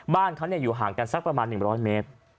บ้านเขาอยู่ห่างกันสักประมาณ๑๐๐เมตร